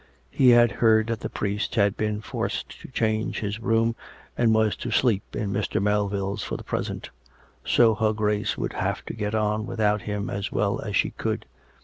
He had heard that the priest had been forced to change his room, and was to sleep in Mr. Melville's for the present; so her Grace would have to get on without him as well as she could.